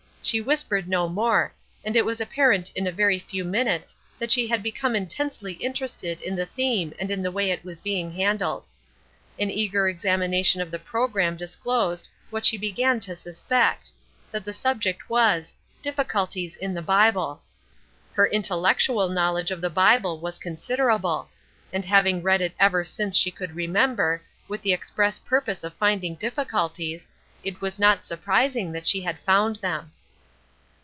She whispered no more, and it was apparent in a very few minutes that she had become intensely interested in the theme and in the way it was being handled. An eager examination of the programme disclosed what she began to suspect, that the subject was, "Difficulties in the Bible." Her intellectual knowledge of the Bible was considerable; and having read it ever since she could remember, with the express purpose of finding difficulties, it was not surprising that she had found them.